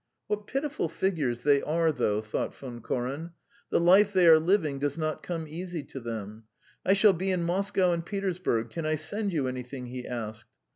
"What pitiful figures they are, though!" thought Von Koren. "The life they are living does not come easy to them. I shall be in Moscow and Petersburg; can I send you anything?" he asked.